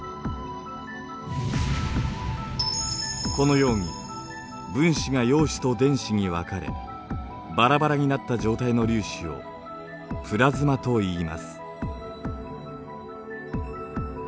このように分子が陽子と電子に分かれバラバラになった状態の粒子をプラズマといいます。